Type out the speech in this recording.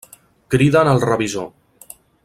Criden el revisor.